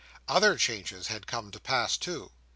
Other changes had come to pass too.